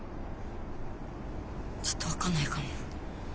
ちょっと分かんないかも。